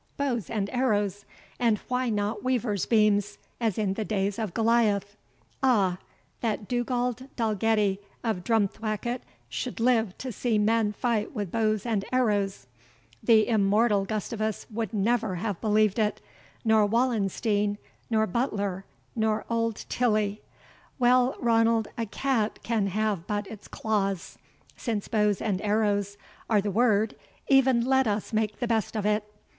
Bows and arrows! and why not weavers' beams, as in the days of Goliah? Ah! that Dugald Dalgetty, of Drumthwacket, should live to see men fight with bows and arrows! The immortal Gustavus would never have believed it nor Wallenstein nor Butler nor old Tilly, Well, Ranald, a cat can have but its claws since bows and arrows are the word, e'en let us make the best of it.